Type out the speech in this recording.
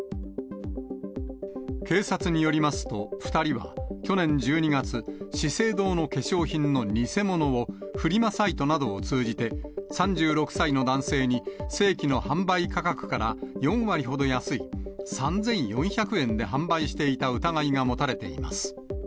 警察によりますと、２人は去年１２月、資生堂の化粧品の偽物を、フリマサイトなどを通じて、３６歳の男性に、正規の販売価格から４割ほど安い、３４００円で販売していた疑いが持たれています。